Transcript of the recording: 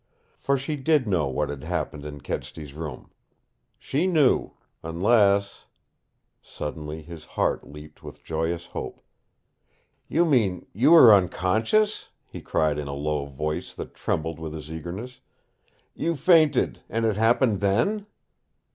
For she did know what had happened in Kedsty's room. She knew unless Suddenly his heart leaped with joyous hope. "You mean you were unconscious?" he cried in a low voice that trembled with his eagerness. "You fainted and it happened then?"